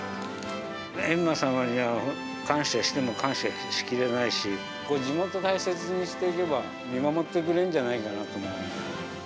閻魔様には感謝しても感謝しきれないし、地元を大切にしていけば、見守ってくれるんじゃないかなと思って。